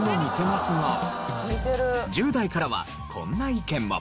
１０代からはこんな意見も。